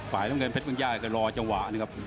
ฝ่ายละเมืองเผ็ดมังยาเกิดรอจังหวะนะครับ